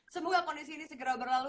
semoga kondisi ini segera berlalu